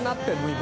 今。